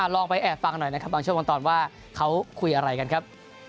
ลองไปแอบฟังหน่อยนะครับบางช่วงบางตอนว่าเขาคุยอะไรกันครับ